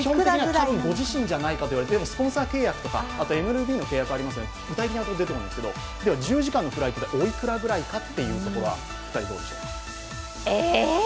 多分、ご自身じゃないかなといわれていますがスポンサー契約とかＭＬＢの契約がありますので、具体的なところは出てこないんですけど１０時間のフライトでおいくらぐらいなのか、どうでしょう。